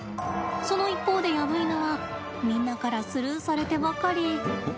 その一方でヤブイヌはみんなからスルーされてばかり。